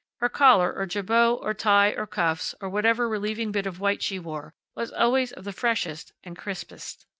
Her collar, or jabot, or tie, or cuffs, or whatever relieving bit of white she wore, was always of the freshest and crispest.